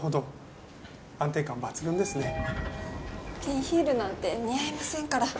ピンヒールなんて似合いませんから。